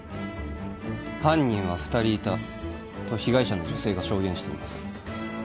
「犯人は二人いた」と被害者の女性が証言しています